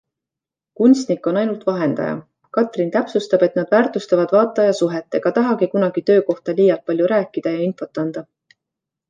Kunstnik on ainult vahendaja. Katrin täpsustab, et nad väärtustavad vaataja suhet ega tahagi kunagi töö kohta liialt palju rääkida ja infot anda.